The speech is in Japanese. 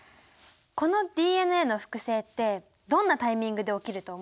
このＤＮＡの複製ってどんなタイミングで起きると思う？